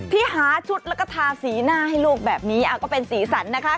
ที่หาชุดแล้วก็ทาสีหน้าให้ลูกแบบนี้ก็เป็นสีสันนะคะ